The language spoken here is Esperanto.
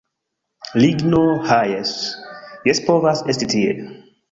Ligno, ha jes, jes povas esti tie